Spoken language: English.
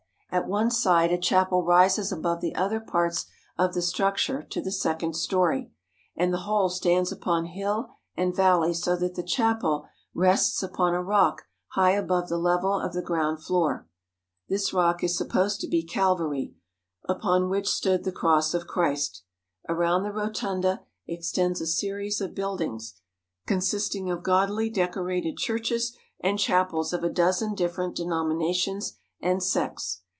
At one side a chapel rises above the other parts of the structure to the second story, and the whole stands upon hill and valley so that the chapel rests upon a rock high above the level of the ground floor. This rock is supposed to be Calvary, upon which stood the cross of Christ. Around the rotunda extends a series of buildings, consisting of gaudily decorated churches and chapels of a dozen different denominations and sects.